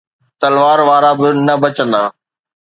تلوار وارا به نه بچندا.